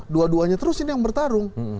dua duanya terus ini yang bertarung